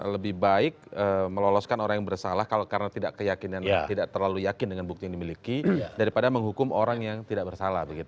lebih baik meloloskan orang yang bersalah kalau karena tidak terlalu yakin dengan bukti yang dimiliki daripada menghukum orang yang tidak bersalah